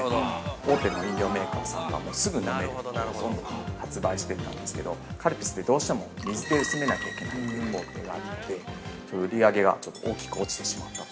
大手の飲料メーカーさんが、すぐ飲める、発売していったんですけどカルピスって、どうしても水で薄めなきゃいけない工程があって売り上げが大きく落ちてしまった。